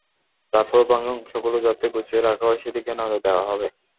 তারপরও ভাঙা অংশগুলো যাতে গুছিয়ে রাখা হয়, সেদিকে নজর দেওয়া হবে।